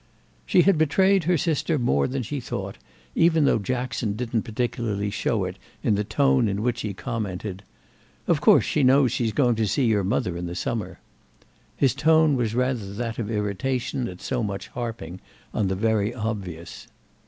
She had betrayed her sister more than she thought, even though Jackson didn't particularly show it in the tone in which he commented: "Of course she knows she's going to see your mother in the summer." His tone was rather that of irritation at so much harping on the very obvious.